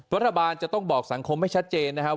รัฐบาลจะต้องบอกสังคมให้ชัดเจนนะครับ